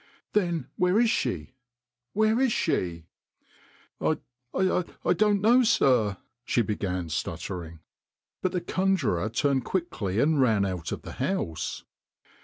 " Then where is she ? Where is she ?"" I don't know, sir," she began stuttering ; but the conjurer turned quickly and ran out of the house.